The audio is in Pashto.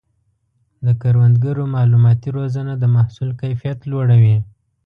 د کروندګرو مالوماتي روزنه د محصول کیفیت لوړوي.